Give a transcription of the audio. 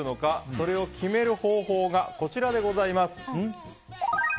それを決める方法がこちらでございます。